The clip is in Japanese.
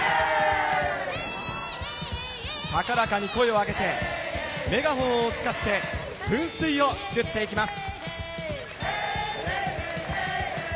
高らかに声を上げて、メガホンを使って噴水を作っていきます。